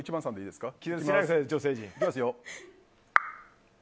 いきますよ。